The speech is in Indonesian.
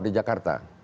dia ke jakarta